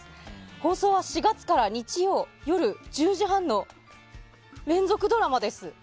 放送は４月から日曜夜１０時半の連続ドラマです。